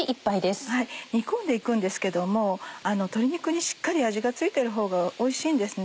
煮込んで行くんですけども鶏肉にしっかり味が付いてるほうがおいしいんですね。